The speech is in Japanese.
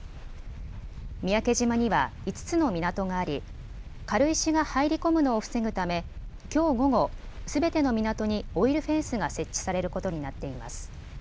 三宅島には５つの港があり、軽石が入り込むのを防ぐためきょう午後、すべての港にオイルフェンスが設置されることになっています。